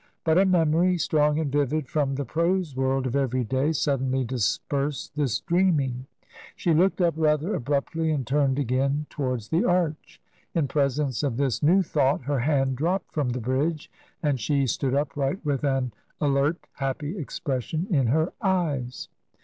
But a memory, strong and vivid from the prose world of every day, suddenly dispersed this dreaming. She looked up rather abruptly and turned again towards the arch. In presence of this new thought, her hand dropped from the bridge and she stood upright with an alert, happy expression in her eyes.